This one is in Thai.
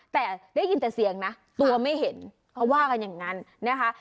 แต่ได้ยินแต่เสียงนะตัวไม่เห็นเขาว่ากันอย่างนั้นนะคะ